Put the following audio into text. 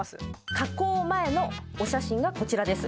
加工前のお写真がこちらです